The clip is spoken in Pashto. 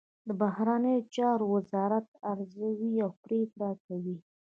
د بهرنیو چارو وزارت معلومات ارزوي او پریکړه کوي